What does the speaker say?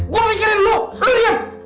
gua mikirin lu lu diam